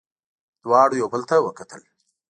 دواړو یو بل ته وکتل.